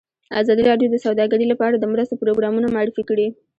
ازادي راډیو د سوداګري لپاره د مرستو پروګرامونه معرفي کړي.